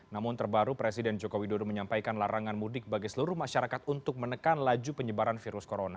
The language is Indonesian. namun terbaru presiden joko widodo menyampaikan larangan mudik bagi seluruh masyarakat untuk menekan laju penyebaran virus corona